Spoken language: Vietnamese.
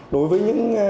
đối với những trường hợp